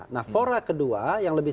nah fora kedua yang lebih